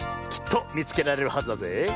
きっとみつけられるはずだぜえ。